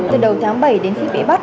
từ đầu tháng bảy đến khi bị bắt